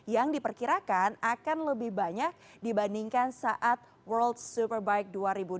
yang diperkirakan akan lebih banyak dibandingkan saat world superbike dua ribu dua puluh